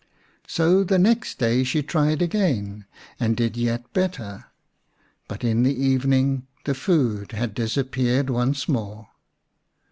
So the next day she tried again, and did yet better. But in the evening the food had dis appeared once more.